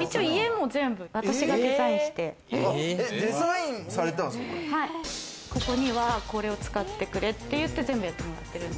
一応、家も全部、私がデザインして、ここにはこれを使ってくれって言って、全部やってもらってるんで。